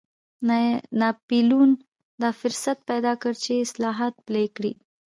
ناپلیون دا فرصت پیدا کړ چې اصلاحات پلي کړي.